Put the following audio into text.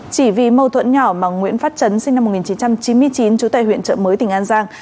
chỉ vì mâu thuẫn nhỏ mà nguyễn phát trấn sinh năm một nghìn chín trăm chín mươi chín trú tại huyện trợ mới tỉnh an giang